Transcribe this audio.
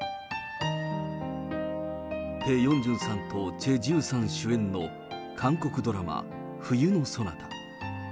ペ・ヨンジュンさんとチェ・ジウさん主演の韓国ドラマ、冬のソナタ。